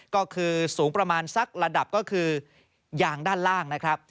ก็คือสูงประมาณสักระดับก็คือยางด้านล่างนะครับ